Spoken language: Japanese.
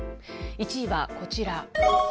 １位はこちら。